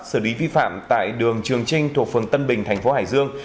xử lý vi phạm tại đường trường trinh thuộc phường tân bình tp hải dương